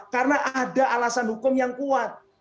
karena ada alasan hukum yang kuat